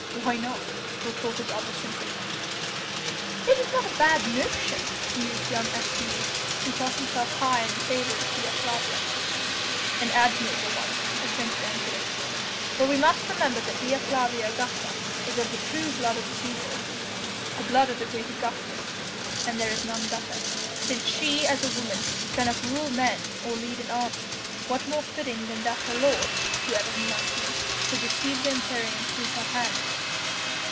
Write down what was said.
"Why not?" retorted the other simply. "It is not a bad notion," mused young Escanes, who thought himself high in the favour of Dea Flavia. "An admirable one," assented Ancyrus, "for we must remember that Dea Flavia Augusta is of the true blood of the Cæsars the blood of the great Augustus and there is none better. Since she, as a woman, cannot rule men or lead an army, what more fitting than that her lord, whoever he might be, should receive the imperium through her hands?"